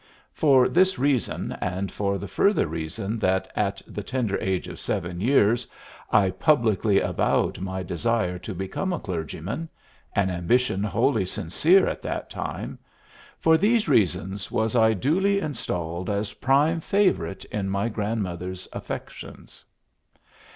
For this reason, and for the further reason that at the tender age of seven years I publicly avowed my desire to become a clergyman, an ambition wholly sincere at that time for these reasons was I duly installed as prime favorite in my grandmother's affections.